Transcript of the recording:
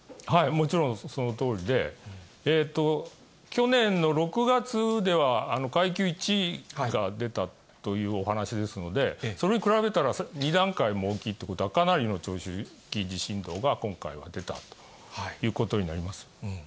もちろんそのとおりで、去年の６月では、階級１が出たというお話ですので、それに比べたら２段階も大きいということは、かなりの長周期地震動が今回は出たということになります。